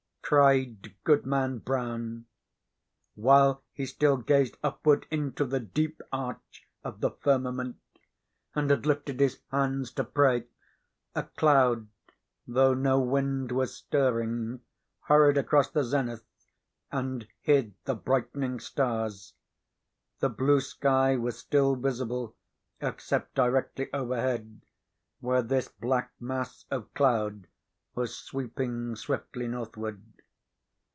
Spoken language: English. cried Goodman Brown. While he still gazed upward into the deep arch of the firmament and had lifted his hands to pray, a cloud, though no wind was stirring, hurried across the zenith and hid the brightening stars. The blue sky was still visible, except directly overhead, where this black mass of cloud was sweeping swiftly northward.